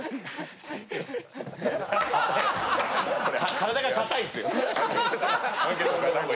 体が硬いっすよ。